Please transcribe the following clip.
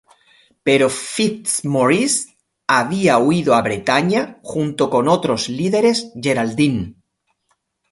Pero FitzMaurice había huido a Bretaña junto con otros líderes Geraldine.